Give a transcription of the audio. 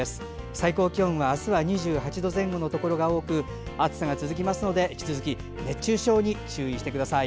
最高気温は明日は２８度前後のところが多く暑さが続きますので、引き続き熱中症に注意してください。